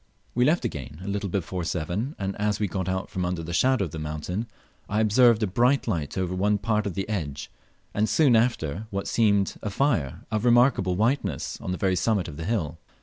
We left again a little before seven, and as we got out from the shadow of the mountain I observed a bright light over one part of the edge, and soon after, what seemed a fire of remarkable whiteness on the very summit of the hill.